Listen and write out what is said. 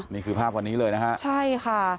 นี่คือภาพวันนี้เลยนะฮะใช่ค่ะ